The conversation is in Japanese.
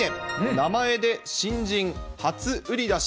名前で新人初売り出し。